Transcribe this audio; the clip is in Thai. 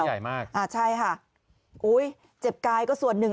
ใหญ่มากอ่าใช่ค่ะอุ้ยเจ็บกายก็ส่วนหนึ่ง